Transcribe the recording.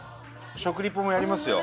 食リポもやりますよ！